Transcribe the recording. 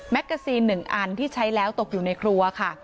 กาซีน๑อันที่ใช้แล้วตกอยู่ในครัวค่ะ